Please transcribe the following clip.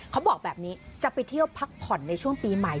เขาบอกแบบนี้จะไปเที่ยวพักผ่อนในช่วงปีใหม่